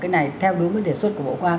cái này theo đúng cái đề xuất của bộ quang